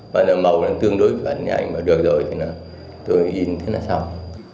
và màu tương đối với anh mà được rồi thì tôi in thế là xong